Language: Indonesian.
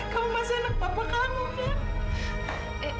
kamu masih anak papa kamu kan